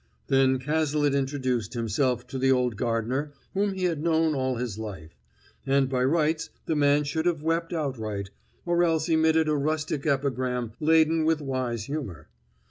Then Cazalet introduced himself to the old gardener whom he had known all his life; and by rights the man should have wept outright, or else emitted a rustic epigram laden with wise humor.